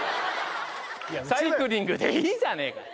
サイクリングでいいじゃねえか。